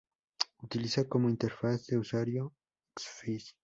Utiliza como interfaz de usuario Xfce.